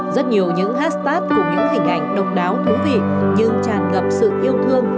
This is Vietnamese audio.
rất nhiều những hashtag của những hình ảnh độc đáo thú vị nhưng chẳng gặp sự yêu thương